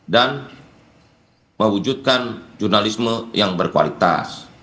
dan mewujudkan jurnalisme yang berkualitas